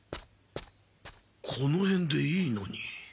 このへんでいいのに。